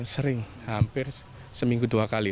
sering hampir seminggu dua kali